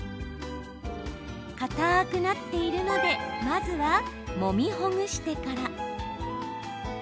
かたくなっているのでまずは、もみほぐしてから。